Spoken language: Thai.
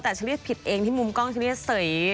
แต่ฉันเรียกผิดเองที่มุมกล้องเชอรี่เสย